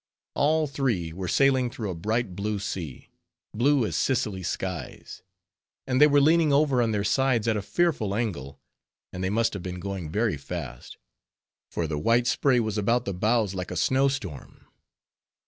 All three were sailing through a bright blue sea, blue as Sicily skies; and they were leaning over on their sides at a fearful angle; and they must have been going very fast, for the white spray was about the bows like a snow storm.